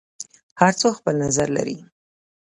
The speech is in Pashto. هر څوک خپل نظر لري.